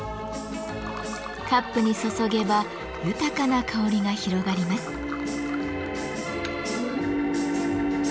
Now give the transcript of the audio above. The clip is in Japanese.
カップに注げば豊かな香りが広がります。